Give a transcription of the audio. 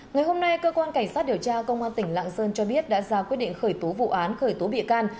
ngày hôm nay cơ quan cảnh sát điều tra công an tỉnh lạng sơn cho biết đã ra quyết định khởi tố vụ án khởi tố bị can